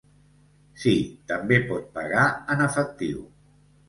Sí, també pot pagar en efectiu.